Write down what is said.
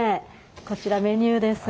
こちらメニューです。